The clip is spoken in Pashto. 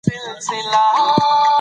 ناڅرګنده تګلاره ګډوډي راولي.